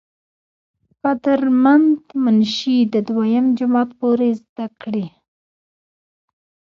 قدر مند منشي د دويم جمات پورې زدکړې